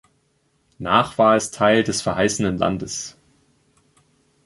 Nach war es Teil des verheißenen Landes.